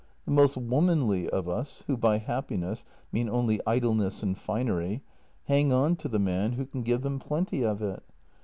The most womanly of us, who by happiness mean only idleness and finery, hang on to the man who can give them plenty of it.